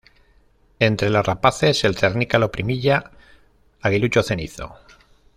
Entre las rapaces el cernícalo primilla, aguilucho cenizo.